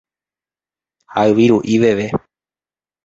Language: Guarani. hayviru'i veve